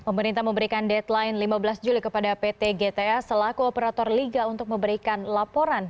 pemerintah memberikan deadline lima belas juli kepada pt gta selaku operator liga untuk memberikan laporan